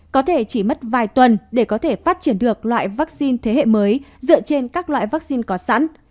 có thể chỉ mất vài tuần để có thể phát triển được loại vaccine thế hệ mới dựa trên các loại vaccine có sẵn